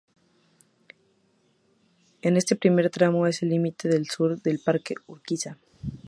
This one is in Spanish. En este primer tramo es el límite sur del Parque Urquiza.